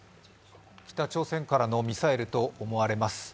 北朝鮮からのミサイルと思われます。